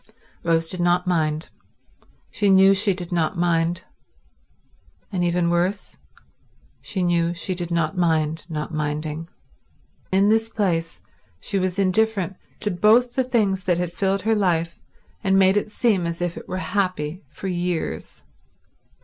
Rose did not mind. She knew she did not mind. And, even worse, she knew she did not mind not minding. In this place she was indifferent to both the things that had filled her life and made it seem as if it were happy for years.